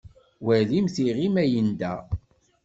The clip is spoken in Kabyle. Walimt iɣi ma yenda.